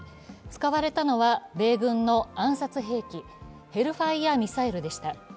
使われたのは米軍の暗殺兵器、ヘルファイアミサイルでした。